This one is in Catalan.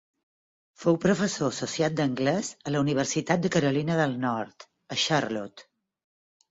Fou professor associat d'anglès a la Universitat de Carolina del Nord a Charlotte.